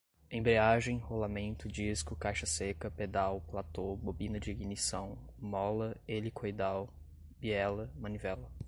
embreagem, rolamento, disco, caixa-seca, pedal, platô, bobina de ignição, mola helicoidal, biela, manivela